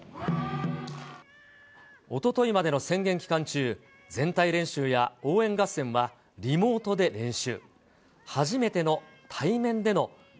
おとといまでの宣言期間中、全体練習や応援合戦はリモートで練習。